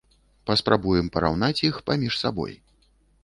Паспрабуем параўнаць іх паміж сабой.